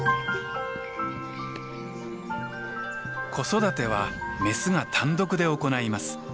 子育てはメスが単独で行います。